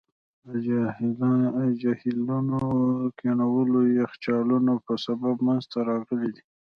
دا جهیلونه د کنګلونو یخچالونو په سبب منځته راغلي دي.